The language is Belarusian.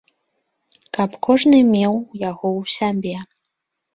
Каб кожны меў яго ў сябе.